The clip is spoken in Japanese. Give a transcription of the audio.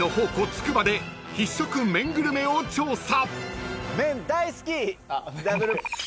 つくばで必食・麺グルメを調査］